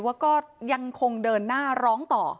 ว่าก็ยังคงเดินหน้าร้องต่อ